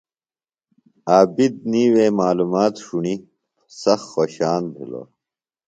عابد نیویۡ معلومات ݜُݨی سخت خوشان بِھلوۡ۔